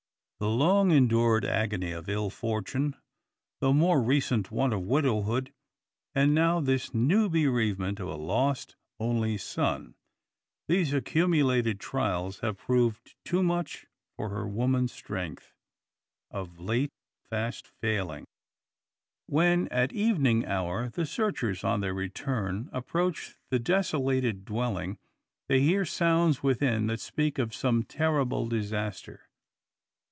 The long endured agony of ill fortune, the more recent one of widowhood, and, now, this new bereavement of a lost, only son these accumulated trials have proved too much for her woman's strength, of late fast failing. When, at evening hour, the searchers, on their return, approach the desolated dwelling, they hear sounds within that speak of some terrible disaster.